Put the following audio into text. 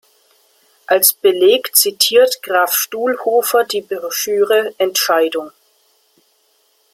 Als Beleg zitiert Graf-Stuhlhofer die Broschüre "Entscheidung.